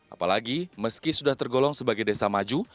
apalagi meski sudah tergolong sebagai desa maju